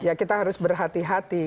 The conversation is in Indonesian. ya kita harus berhati hati